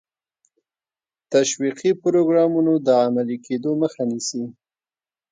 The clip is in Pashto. تشویقي پروګرامونو د عملي کېدو مخه نیسي.